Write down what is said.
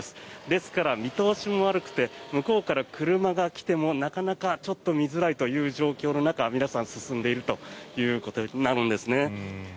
ですから、見通しも悪くて向こうから車が来てもなかなかちょっと見づらいという状況の中皆さん、進んでいるということになるんですね。